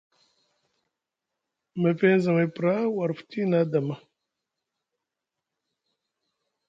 Mefeŋ zamay pra war futi na dama.